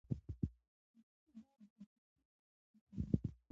سیاسي ثبات د ګډې هڅې نتیجه ده